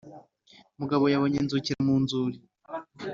mugabo yabonye inzukira mu nzuri